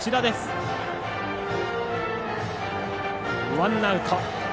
ワンアウト。